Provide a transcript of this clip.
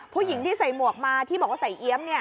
ผู้หญิงที่ใส่หมวกมาที่บอกว่าใส่เอี๊ยม